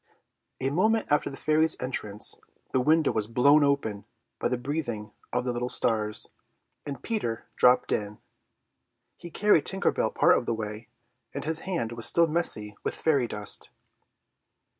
A moment after the fairy's entrance the window was blown open by the breathing of the little stars, and Peter dropped in. He had carried Tinker Bell part of the way, and his hand was still messy with the fairy dust.